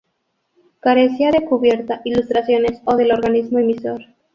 Carecía de cubierta, ilustraciones o del organismo emisor.